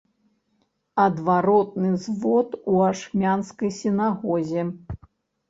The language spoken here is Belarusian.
Адваротны звод у ашмянскай сінагозе.